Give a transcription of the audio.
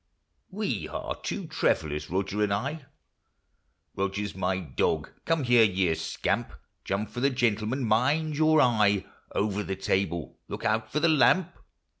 We are two travellers, Roger and I. Roger 's my dog :— come here, you scamp ! Jump for the gentlemen, — mind your eye ! Over the table, — look out for the lamp